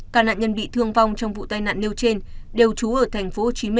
cả nạn nhân bị thương vong trong vụ tai nạn nêu trên đều trú ở tp hcm